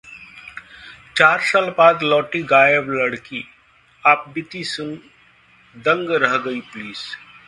चार साल बाद लौटी गायब लड़की, आपबीती सुन दंग रह गई पुलिस